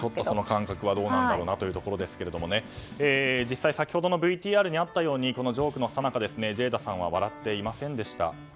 その感覚はどうなんだろうというところですけど実際先ほどのＶＴＲにあったように、ジョークのさなかジェイダさんは笑っていませんでした。